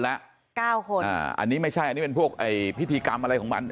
อันนี้ไม่ใช่อันนี้เป็นพวกพิธีกรรมอะไรของมัน